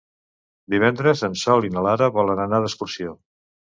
Divendres en Sol i na Lara volen anar d'excursió.